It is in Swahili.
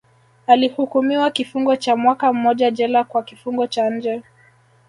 Alihukumiwa kifungo cha mwaka mmoja jela kwa kifungo cha nje